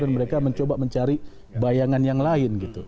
mereka mencoba mencari bayangan yang lain gitu